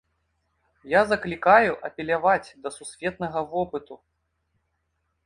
Я заклікаю апеляваць да сусветнага вопыту.